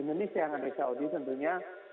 indonesia yang ada di saudi tentunya